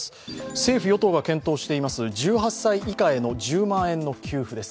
政府・与党が検討しています１８歳以下への１０万円の給付です。